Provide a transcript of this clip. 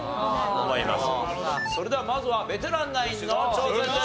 それではまずはベテランナインの挑戦です。